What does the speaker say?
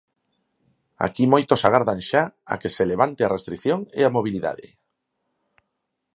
Aquí moitos agardan xa a que se levante a restrición e a mobilidade.